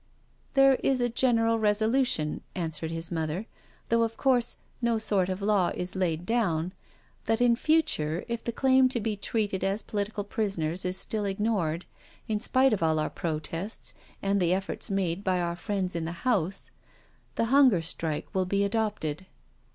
'* There is a general resolution," answered his mother, '* though of course no sort of law is laid down, that in future if the claim to be treated as political prisoners is still ignored, in spite of all our protests and the efforts made by our friends in the House, the Hunger Strike will be adopted."